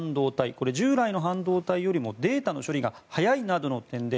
これは従来の半導体よりもデータの処理が速いなどの点で